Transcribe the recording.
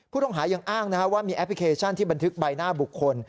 ผู้ต้องหายังอ้างว่ามีแอปพลิเคชันที่บันทึกใบหน้าบุคคล